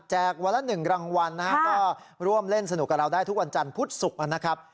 วันละ๑รางวัลนะฮะก็ร่วมเล่นสนุกกับเราได้ทุกวันจันทร์พุธศุกร์นะครับ